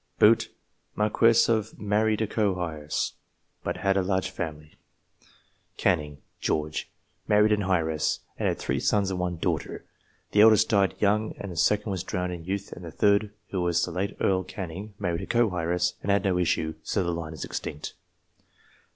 Bute, Marquess of. Married a coheiress, but had a large family. Canning, George. Married an heiress, and had three sons and one daughter. The eldest died young ; the second was drowned in youth ; and the third, who was the late Earl Canning, married a co heiress, and had no issue : so the line is extinct.